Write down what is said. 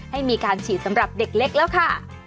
ให้มีการฉีดสำหรับเด็กเล็กแล้วค่ะ